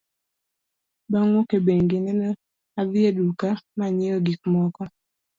Bang' wuok e bengi, nene adhi e duka ma anyiewo gik moko .